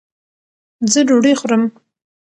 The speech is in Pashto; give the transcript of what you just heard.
زۀ ډوډۍ خورم